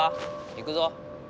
行くぞ。